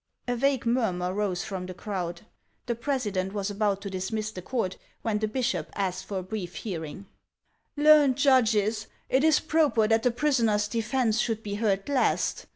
A vague murmur rose from the crowd. The president was about to dismiss the court, when the bishop asked for a brief hearing. " Learned judges, it is proper that the prisoners' defence should be heard last.